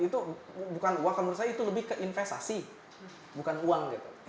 itu bukan uang kalau menurut saya itu lebih ke investasi bukan uang gitu